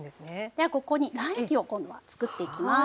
ではここに卵液を今度はつくっていきます。